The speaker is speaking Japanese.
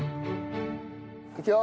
いくよ。